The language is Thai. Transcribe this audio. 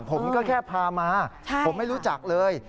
ผมก็แค่พามาผมไม่รู้จักเลย